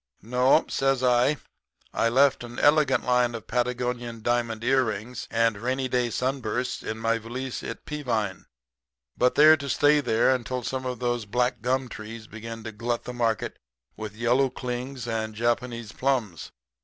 "'No,' says I, 'I left an elegant line of Patagonian diamond earrings and rainy day sunbursts in my valise at Peavine. But they're to stay there until some of those black gum trees begin to glut the market with yellow clings and Japanese plums.